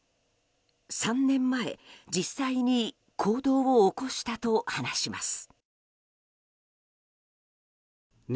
３年前、実際に行動を起こしたと話します。